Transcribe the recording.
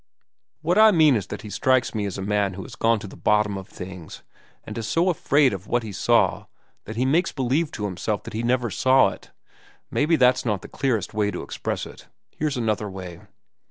What I mean is that he strikes me as a man who has gone to the bottom of things, and is so afraid of what he saw that he makes believe to himself that he never saw it. Perhaps that's not the clearest way to express it. Here's another way.